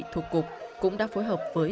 thuộc cục cũng đã phối hợp với